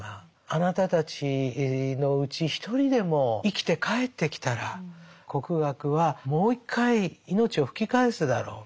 あなたたちのうち一人でも生きて帰ってきたら国学はもう一回命を吹き返すだろう」。